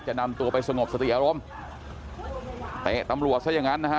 นำตัวไปสงบสติอารมณ์เตะตำรวจซะอย่างงั้นนะฮะ